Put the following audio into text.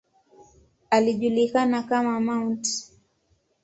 Alijulikana kama ""Mt.